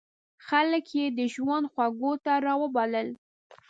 خلک یې د ژوند خوږو ته را وبلل.